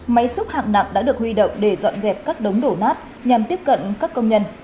máy xúc hạng nặng đã được huy động để dọn dẹp các đống đổ nát nhằm tiếp cận các công nhân